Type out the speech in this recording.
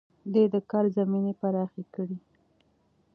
ده د کار زمينې پراخې کړې.